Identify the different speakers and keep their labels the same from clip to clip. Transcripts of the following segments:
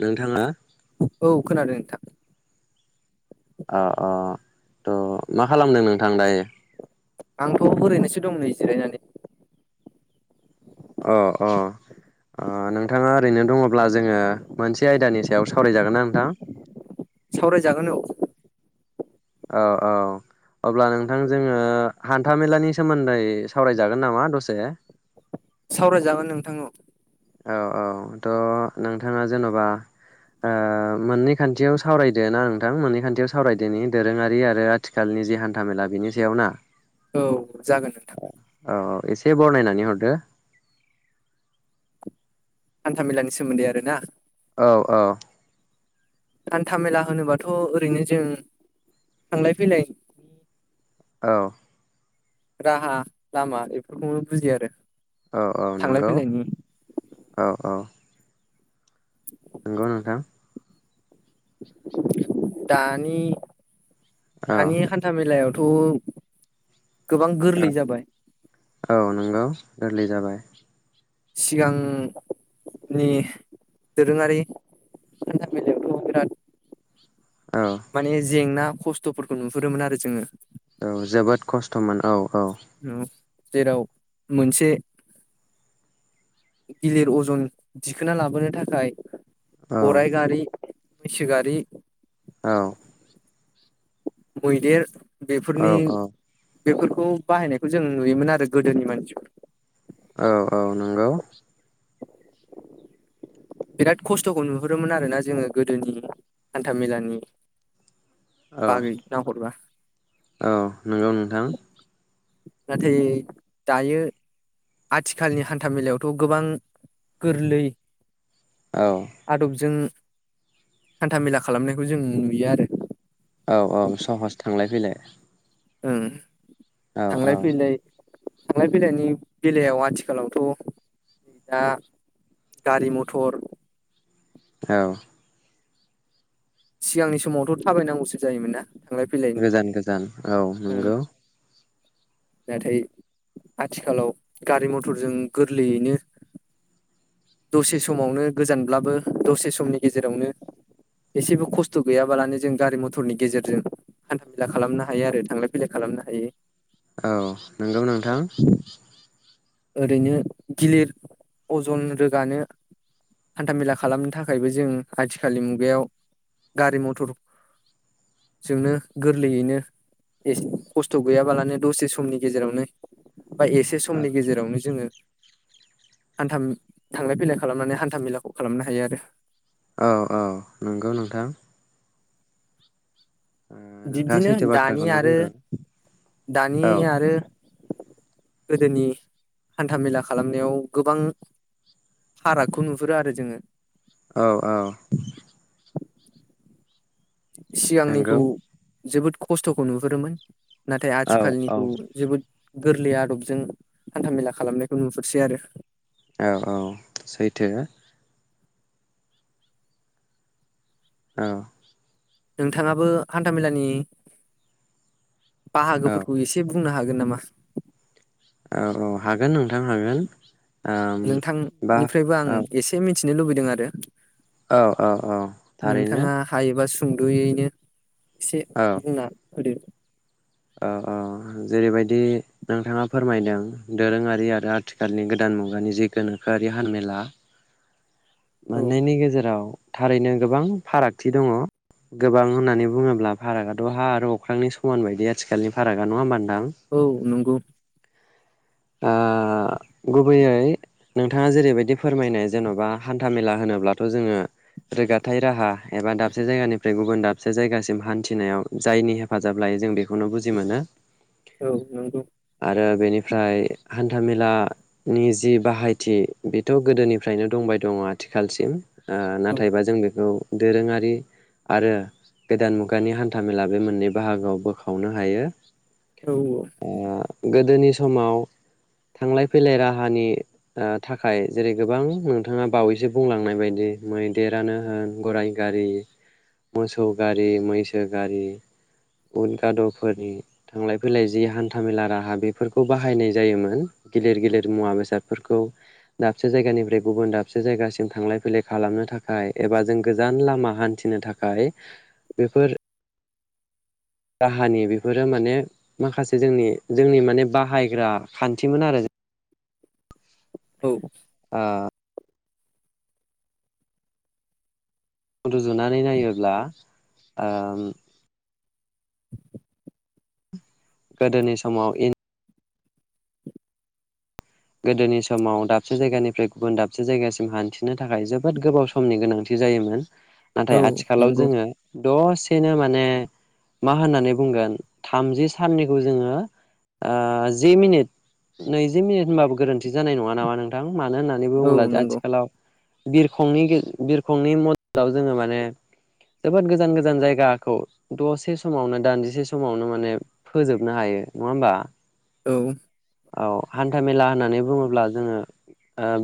Speaker 1: नोंथाङा
Speaker 2: औ खोनादों नोंथां।
Speaker 1: अ अ थ' मा खालामदों नोंथां दायो?
Speaker 2: आंथ' ओरैनोसो दं नै जिरायनानै।
Speaker 1: अ अ ओ नोंथाङा ओरैनो दङब्ला जोङो मोनसे आयदानि सायाव सावरायजागोन ना नोंथां?
Speaker 2: सावरायजागोन औ।
Speaker 1: औ औ अब्ला नोंथां जोङो हान्थामेलानि सोमोन्दै सावरायजागोन नामा दसे।
Speaker 2: सावरायजागोन नोंथां औ।
Speaker 1: औ औ थ' नोंथाङा जेनबा ओ मोननै खान्थियाव सावरायदो ना नोंथां मोननै खान्थियाव सावरायदोनि दोरोङारि आरो आथिखालनि जि हान्थामेला बेनि सायाव ना?
Speaker 2: औ जागोन नोंथां।
Speaker 1: औ औ एसे बरनायनानै हरदो।
Speaker 2: हान्था मेलानि सोमोन्दै आरो ना।
Speaker 1: औ औ।
Speaker 2: हान्था मेला होनोबाथ ओरैनो जों थांलाय फैलाय
Speaker 1: औ।
Speaker 2: राहा लामा बेफोरखौनो बुजियो आरो।
Speaker 1: औ औ
Speaker 2: थांलाय
Speaker 1: नंगौ
Speaker 2: फैलायनि
Speaker 1: औ औ। नोंगौ नोंथां।
Speaker 2: दानि
Speaker 1: औ
Speaker 2: दानि हान्था मेलायाव थ'
Speaker 1: औ औ नंगौ गोरलै जाबाय।
Speaker 2: सिगांनि दोरोङारि हान्था मेलायावथ' बिराद
Speaker 1: औ
Speaker 2: माने जेंना खस्थ'फोरखौ नुहुरोमोन आरो जोङो।
Speaker 1: औ जोबोद खस्थ'मोन औ। औ
Speaker 2: औ। जेराव मोनसे गिलिर अजन दिखोना लाबोनो थाखाय
Speaker 1: औ
Speaker 2: गराय गारि मैसो गारि
Speaker 1: औ।
Speaker 2: मैदेर
Speaker 1: औ
Speaker 2: बेफोरनि बेफोरखौ बाहायनायखौ जों नुयोमोन आरो गोदोनि मानसिखौ।
Speaker 1: औ औ नंगौ।
Speaker 2: बिराद खस्थ'खौ नुहरोमोन आरो ना जोङो गोदोनि हान्था मेलानि
Speaker 1: औ
Speaker 2: बागै नाहरबा।
Speaker 1: औ नंगौ नोंथां।
Speaker 2: नाथाय दायो आथिखालनि हान्था मेलायावथ' गोबां गोरलै।
Speaker 1: औ
Speaker 2: आदबजों। हान्था मेला खालामनायखौ जों नुयो आरो
Speaker 1: औ औ सहस थांलाय फैलाय।
Speaker 2: ओं।
Speaker 1: औ औ
Speaker 2: थांलाइ फैलाय। थांलाय फैलायनि बेलायाव आथिखालावथ' दा गारि मथर।
Speaker 1: औ।
Speaker 2: सिगांनि समावथ' थाबायनांगौसो जायोमोन ना? थांलाय फैलायनि
Speaker 1: गोजान गोजान औ
Speaker 2: ओं
Speaker 1: नंगौ।
Speaker 2: नाथाय आथिखालाव गारि मथरजों गोरलैयैनो। दसे समावनो गोजानब्लाबो दसे समनि गेजेरावनो एसेबो खस्थ' गैयाबालानो जों गारि मथरनि गेजेरजों हान्था मेला खालामनो हायो आरो थांलाय फैलाय खालामनो हायो।
Speaker 1: औ नंगौ नोंथां।
Speaker 2: ओरैनो गिलिर अजन रोगानो हान्थाामेला खालामनो थाखायबो जों आथिखालनि मुगायाव गारि मथरजोंनो गोरलैयैनो एसे खस्थ' गैयाबालानो दसे समनि गेजेरावनो बा एसे समनि जोङो हान्थाम थांलाय फैलाय खालामनानै हान्था मेलाखौ खालामनो हायो आरो
Speaker 1: औ औ नंगौ नोंथां। ओ नोंथाङा
Speaker 2: बिब्दिनो
Speaker 1: सैथो
Speaker 2: दानि
Speaker 1: बाथ्राखौनो
Speaker 2: आरो
Speaker 1: बुंदों
Speaker 2: दानि
Speaker 1: औ
Speaker 2: आरो गोदोनि हान्थामेला खालामनायाव गोबां फारागखौ नुहुरो आरो जोङो।
Speaker 1: औ औ नंगौ
Speaker 2: सिगांनिखौ जोबोद खस्थ'खौ नुहुरोमोन। नाथाय
Speaker 1: औ औ
Speaker 2: आथिखालनिखौ जोबोद गोरलै आदबजों हान्थामेला खालामनायखौ नुहुरसै आरो
Speaker 1: औ औ सैथो। औ
Speaker 2: नोंथाङाबो हान्थामेलानि
Speaker 1: औ
Speaker 2: बाहागोफोरखौ एसे बुंनो हाग गोन नामा?
Speaker 1: औ औ हागोन नोंथां हागोन। [inaudible] बा
Speaker 2: नोंथांनिफ्रायबो आं
Speaker 1: औ
Speaker 2: एसे मिथ थिनो लुबैदों आरो।
Speaker 1: औ औ औ थारैनो।
Speaker 2: नोंथाङा हायोबा सुंद'यैनो एसे
Speaker 1: औ
Speaker 2: बुंनो हाग आरो
Speaker 1: औ औ जेरैबायदि नोंथाङा फोरमायदों दोरोङारि आरो आथिखालनि गोदान मुगानि जि गोनोखोआरि हान्मेला
Speaker 2: औ
Speaker 1: मोन्नैनि गेजेराव थारैनो गोबां फारागथि दङ गोबां होननानै बुङोब्ला फारागआथ' हा आरो अख्रांनि समान बायदि आथिखालनि फारागा नङा होमबा नों
Speaker 2: औ नंगौ।
Speaker 1: ओ गुबैयै नोंथाङा जेरैबायदि फोरमायनाय जेन'बा हान्थामेला होनोब्लाथ' जोङो रोगाथाय राहा एबा दाबसे जायगानिफ्राय गुबुन दाबसे जायगासिम हान्थिनायाव जायनि हेफाजाब लायो जों बेखौनो बुजि मोनो।
Speaker 2: औ नंगौ
Speaker 1: आरो बेनिफ्राय हान्थामेलानि जि बाहायथि बेथ' गोदोनिफ्रायनो दंबाय दङ' आथिखालसिम। ओ
Speaker 2: औ
Speaker 1: नाथायबा जों बेखौ दोरोङारि आरो गोदान मुगानि हान्थामेला बे मोननै बाहागोआव बोखावनो हायो।
Speaker 2: औ औ।
Speaker 1: गोदोनि समाव थांलाय फैलाय राहानि ओ थाखाय जेरै गोबां नोंथाङा बावैसो बुंलांनाय बायदि मैदेरानो होन गराइ गारि, मोसौ गारि, मैसो गारि उद गाद'फोरनि थांलाय फैलाय जि हान्थामेला राहा बेफोरखौ बाहायनाय जायोमोन गिदिर गिदिर मुवा बेसादफोरखौ दाबसे जायगानिफ्राय गुबुन दाबसे जायगासिम थांलाय फैलाय खालामनो थाखाय एबा जों गोजान लामा हान्थिनो थाखाय बेफोर राहानि बेफोरो माने माखासे जोंनि जोंनि माने बाहायग्रा खान्थिमोन आरो
Speaker 2: औ।
Speaker 1: आ रुजुनानै नायोब्ला ओम गोदोनि समाव गोदोनि समाव दाबसे जायगानिफ्राय गुबुन दाबसे जायगासिम हान्थिनो थाखाय जोबोद गोबाव समनि गोनांथि जायोमोन। नाथाय
Speaker 2: औ
Speaker 1: आथिखालाव
Speaker 2: नंगौ
Speaker 1: जोङो दसे बिदिनो माने मा होन्नानै बुंगोन थामजि साननिखौ जोङो आ जि मिनिट नैजि मिनिट गोरोन्थि जानाय नङा नामा नोंथां? मानो होननानै
Speaker 2: औ
Speaker 1: बुङोब्ला
Speaker 2: नंगौ
Speaker 1: आथिखालाव बिरखंनि गे बिरखंनि मददाव जोङो माने जोबोद गोजान गोजान जायगाखौ दसे समावनो दानजिसे समावनो माने फोजोबनो हायो नङा होमबा?
Speaker 2: औ।
Speaker 1: औ हान्था मेला होननानै बुङोब्ला जोङो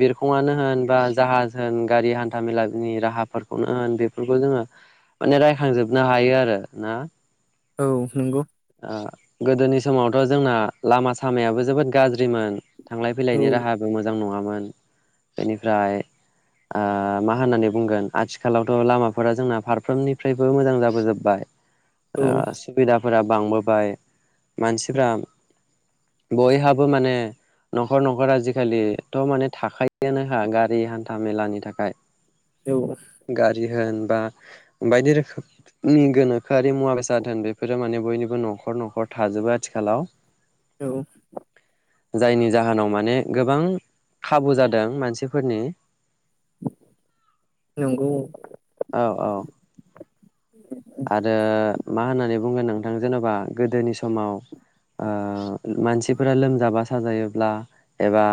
Speaker 1: बिरखङानो होन बा जाहाज होन गारि हान्था मेलानि राहाफोरखौनो होन बेफोरखौ जोङो माने रायखांजोबनो हायो आरो ना?
Speaker 2: औ नंगौ।
Speaker 1: ओ गोदोनि समावथ' जोंना लामा सामायाबो जोबोद गाज्रि मोन थांलाय
Speaker 2: औ
Speaker 1: फैलायनि राहाबो मोजां नङामोन। बेनिफ्राय आ मा होननानै बुंगोन आथिखालावथ' लामाफोरा जोंना फारफ्रोमनिफ्रायबो मोजां जाबोजोबबाय।
Speaker 2: औ
Speaker 1: ओ सुबिदा बांबोबाय मानसिफ्रा बयहाबो माने न'खर न'खर आजिखालिथ' माने थाखायोआनो गारि हान्था मेलानि थाखाय।
Speaker 2: औ।
Speaker 1: गारि होन बा बायदि रोखोमनि गोनोखोआरि मुवा बेसाद होन बेफोरो माने बयनिबो न'खर न'खर थाजोबो आथिखालाव।
Speaker 2: औ।
Speaker 1: जायनि जाहोनाव माने गोबां खाबु जादों मानसिफोरनि
Speaker 2: नोंगौ।
Speaker 1: औ औ आरो मा होननानै बुंगोन नोंथां जेन'बा गोदोनि समाव ओ मानसिफोरा लोमजाबा साजायोब्ला एबा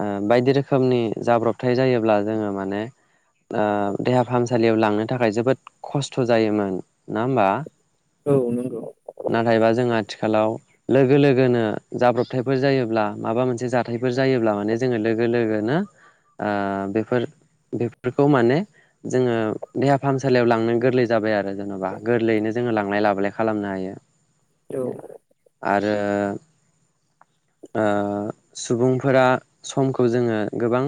Speaker 1: ओ बायदि रोखोमनि जाब्रबथाय जायोब्ला जोङो माने ओ देहा फाहामसालियाव लांनो थाखाय जोबोद खस्थ' जायोमोन नङा होमबा।
Speaker 2: औ नंगौ
Speaker 1: नाथायबा जों आथिखालाव लोगो लोगोनो जाब्रबथायफोर जायोब्ला माबा मोनसे जाथायफोर जायोब्ला माने जोङो लोगो लोगोनो ओ बेफोर बेफोरखौ माने जोङो देहा फाहामसालियाव लांनो गोरलै जाबाय आरो जेन'बा गोरलैयैनो जोङो लांलाय लाबोलाय खालामनो हायो।
Speaker 2: औ।
Speaker 1: आरो ओ सुबुंफोरा समखौ जोङो गोबां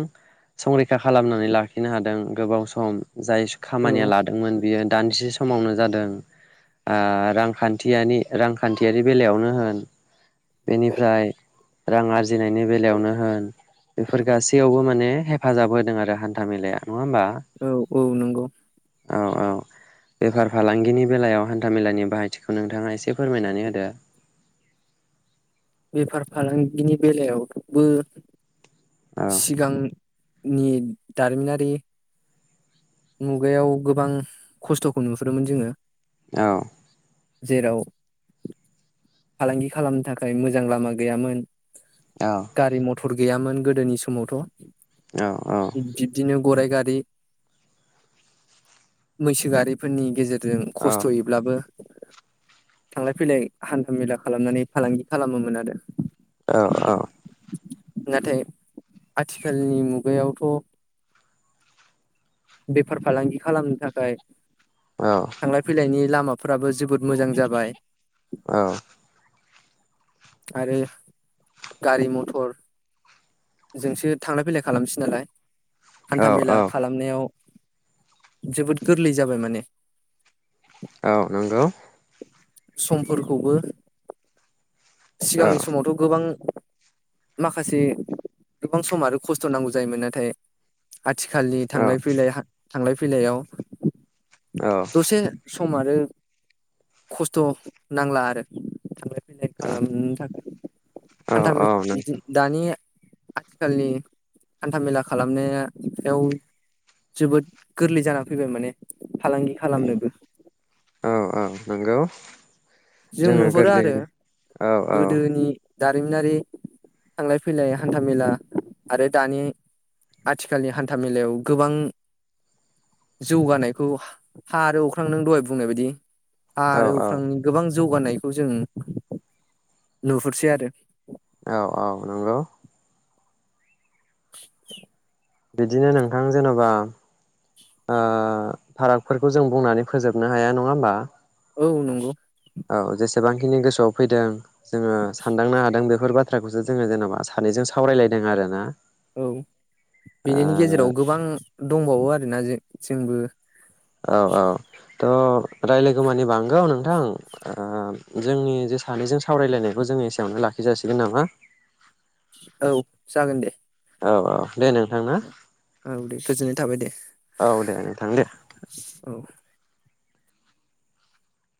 Speaker 1: संरै खा खालामनानै लाखिनो हादों। गोबाव सम। जाय खामानिया
Speaker 2: औ
Speaker 1: लादोंमोन बियो दानसे समावनो जादों ओ रांखान्थियानि रांखान्थियारि बेलायावनो होन बेनिफ्राय रां आरजिनायनि बेलायावनो होन बेफोर गासैयावबो माने हेफाजाब होदों आरो हान्था मेलाया। नङा होमबा
Speaker 2: औ औ नंगौ।
Speaker 1: औ औ बेफार फालांगिनि बेलायाव हान्थामेलानि बाहायथिखौ नोंथाङा एसे फोरमायनानै होदो।
Speaker 2: बेफार फालांगिनि बेलायाव [unintelligible]
Speaker 1: औ
Speaker 2: सिगां नि दारिमिनारि। मुगायाव गोबां खस्थ'खौ नुहुरोमोन जोङो।
Speaker 1: औ।
Speaker 2: जेराव फालांगि खालामनो थाखाय मोजां लामा गैयामोन।
Speaker 1: औ
Speaker 2: गारि मट टर गैयामोन गोदोनि समावथ'।
Speaker 1: औ औ।
Speaker 2: गराय गारि। मैसो गारिफोरनि गेजे जों
Speaker 1: औ
Speaker 2: खस्थ'यैब्लाबो थांलाय फैलाय हान्था मेला खालामनानै फालांगि खालामोमोन आरो।
Speaker 1: औ औ।
Speaker 2: नाथाय आथिखालनि मुगायावथ' बेफार फालांगि खालामनो थाखाय। थांलाय फैलायनि लामा। लामाफ्राबो जोबोद मोजां जाबाय।
Speaker 1: औ।
Speaker 2: आरो गारि मथरजोंसो थांलाय फैलाय खालामसै नालाय। हान्था मेला
Speaker 1: औ औ
Speaker 2: खालामनायाव जोबोद गोरलै जाबाय माने।
Speaker 1: औ नंगौ।
Speaker 2: समफोरखौबो।
Speaker 1: औ
Speaker 2: सिगांनि समावथ' गोबां माखासे गोबां सम आरो खस्थ' नांगौ जायोमोन नाथाय आथिखालनि
Speaker 1: औ
Speaker 2: थांलाय फैलाय हा थांलाय फैलायाव
Speaker 1: औ
Speaker 2: दसे सम आरो खस्थ' नांला आरो थांनो फैलाय खालामनो थाखाय
Speaker 1: औ
Speaker 2: हानथा मे आदि दानि आथिखालनि हान्था मेला खालामनायाव जोबोद गोरलै जानानानै फैबाय माने फालांगि खालामनोबो
Speaker 1: औ औ नंगौ
Speaker 2: जों
Speaker 1: जोङो
Speaker 2: नुहुरो आरो
Speaker 1: गोरलैयैनो औ
Speaker 2: गोदोनि दारिमिनारि थांलाय फैलाय हान्थामेला आरो दानि आथिखालनि हान्था मेलायाव गोबां जौगानायखौ हा आरो अख्रां नों दहाय बुंनाय बायदि हा
Speaker 1: औ
Speaker 2: आरो
Speaker 1: औ
Speaker 2: उख्रां जौगानायखौ जों नुहुरसै आरो
Speaker 1: औ औ नंगौ।
Speaker 2: [inaudible]
Speaker 1: बिदिनो नोंथां जेने'बा फारागफोरखौ जों बुंनानै फोजोबनो हाया नङा होमबा
Speaker 2: औ नंगौ।
Speaker 1: औ जेसेबांखिनि गोसोआव फैदों जोङो सानदांनो हादों बेफोर बाथ्राखौसो जोङो जेनेबा सानैजों सावरायलायदों आरो ना।
Speaker 2: औ बेनिनो गेजेराव गोबां दंबावो आरोना जों जोंबो
Speaker 1: औ औ थ' राय्लायगौ मानि बांगौ नोंथां जोंनि जे सानैजों सावरायलायनायखौ जों एसेयावनो लाखि जासिगोन नामा?
Speaker 2: औ जागोन दे।
Speaker 1: औ औ दे नोंथां ना।
Speaker 2: औ दे गोजोननाय थाबाय दे
Speaker 1: औ दे नोंथां दे
Speaker 2: औ